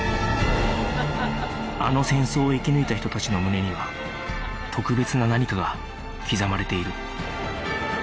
あの戦争を生き抜いた人たちの胸には特別な何かが刻まれている